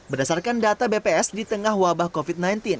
berdasarkan data bps di tengah wabah covid sembilan belas